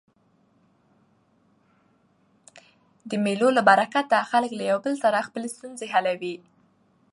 د مېلو له برکته خلک له یو بل سره خپلي ستونزي حلوي.